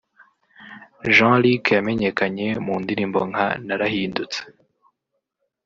Jean Luc yamenyekanye mu ndirimbo nka ‘Narahindutse’